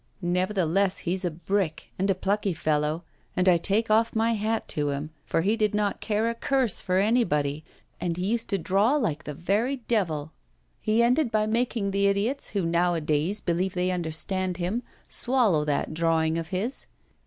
Nevertheless, he's a brick, and a plucky fellow, and I take off my hat to him, for he did not care a curse for anybody, and he used to draw like the very devil. He ended by making the idiots, who nowadays believe they understand him, swallow that drawing of his.